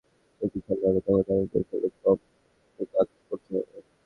কারণ যখন প্রতিপক্ষ বেশি শক্তিশালী হবে তখন তাকে কৌশলে কুপোকাত করতে হবে।